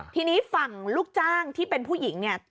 ทีนี้ฝั่งลูกจ้างที่เป็นผู้หญิงเนี่ย